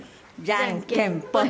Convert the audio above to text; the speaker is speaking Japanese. じゃんけんぽい。